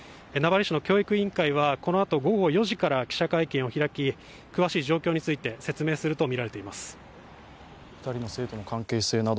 名張市の教育委員会はこのあと午後４時から記者会見を開き、詳しい状況について説明するとみられています。